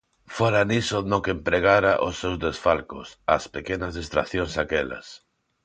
Fora niso no que empregara os seus desfalcos, as pequenas distraccións aquelas.